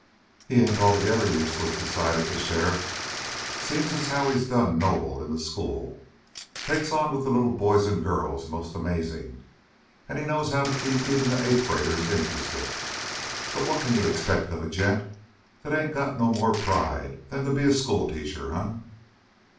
"He ain't altogether useless," decided the sheriff. "Seems as how he's done noble in the school. Takes on with the little boys and girls most amazing, and he knows how to keep even the eighth graders interested. But what can you expect of a gent that ain't got no more pride than to be a schoolteacher, eh?"